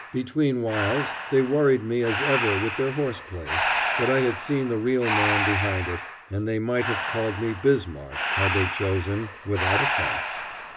Between whiles they worried me as ever with their horseplay; but I had seen the real man behind it, and they might have called me Bismarck, had they chosen, without offence.